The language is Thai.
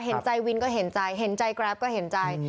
เห็นใจวินก็เห็นใจเห็นใจแกรปก็เห็นใจ